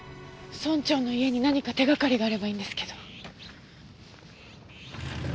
村長の家に何か手がかりがあればいいんですけど。